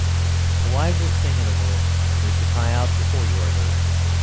The wisest thing in the world is to cry out before you are hurt.